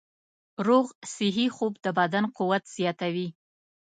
روغ صحي خوب د بدن قوت زیاتوي.